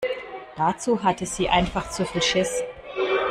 Dazu hatte sie einfach zu viel Schiss.